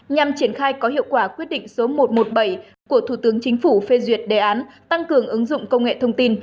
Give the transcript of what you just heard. nhằm triển khai có hiệu quả quyết định số một trăm một mươi bảy của thủ tướng chính phủ phê duyệt đề án tăng cường ứng dụng công nghệ thông tin